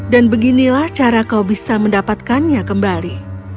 dan beginilah cara kau bisa mendapatkannya kembali